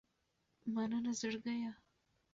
مننه زړګیه